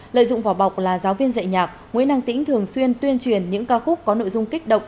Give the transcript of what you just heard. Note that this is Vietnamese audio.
lợi dụng vỏ bọc là giáo viên dạy nhạc nguyễn năng tĩnh thường xuyên tuyên truyền những ca khúc có nội dung kích động